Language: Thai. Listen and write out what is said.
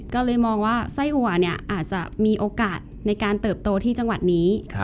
ก็เลยมองว่าไส้อัวเนี่ยอาจจะมีโอกาสในการเติบโตที่จังหวัดนี้